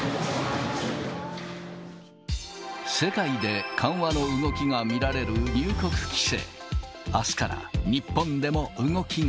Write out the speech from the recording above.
世界で緩和の動きが見られる入国規制。